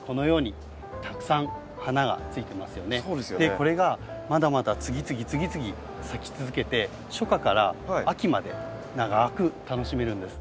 これがまだまだ次々次々咲き続けて初夏から秋まで長く楽しめるんです。